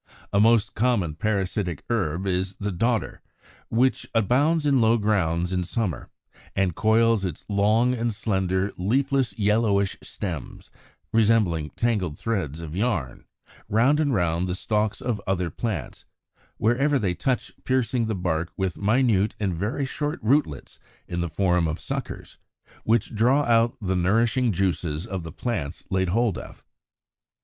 A most common parasitic herb is the Dodder; which abounds in low grounds in summer, and coils its long and slender, leafless, yellowish stems resembling tangled threads of yarn round and round the stalks of other plants; wherever they touch piercing the bark with minute and very short rootlets in the form of suckers, which draw out the nourishing juices of the plants laid hold of.